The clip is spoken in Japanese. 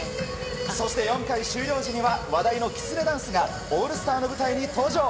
そして、４回終了時には話題のきつねダンスがオールスターの舞台に登場。